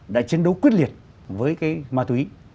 đã chiến đấu quyết liệt với cái ma túy